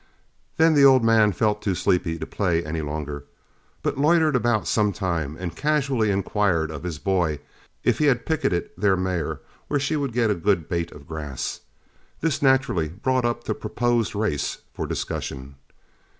Then the old man felt too sleepy to play any longer, but loitered around some time, and casually inquired of his boy if he had picketed their mare where she would get a good bait of grass. This naturally brought up the proposed race for discussion.